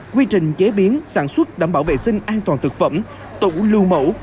quy trình chế biến sản xuất đảm bảo vệ sinh an toàn thực phẩm tủ lưu mẫu